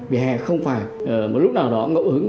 vỉa hè không phải một lúc nào đó ngẫu hứng